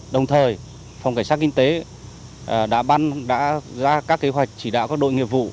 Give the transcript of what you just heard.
đồng thời phòng cảnh sát kinh tế đã ra các kế hoạch chỉ đạo các đội nghiệp vụ